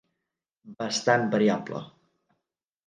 Bastant variable.